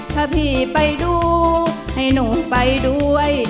ถ้าพี่ไปดูให้หนูไปด้วย